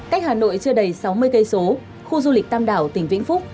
cách hà nội chưa đầy sáu mươi km khu du lịch tam đảo tỉnh vĩnh phúc